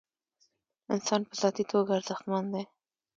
انسان په ذاتي توګه ارزښتمن دی.